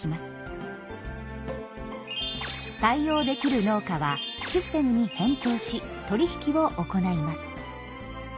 対応できる農家はシステムに返答し取り引きを行います。